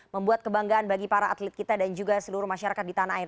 membuat kebanggaan bagi para atlet kita dan juga seluruh masyarakat di tanah air